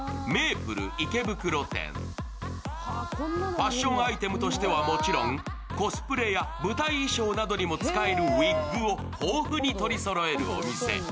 ファッションアイテムとしてはもちろん、舞台衣装などにも使えるウィッグを豊富に取りそろえるお店。